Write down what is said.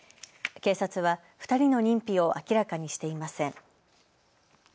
警察は２人の認否を明らかにしていません。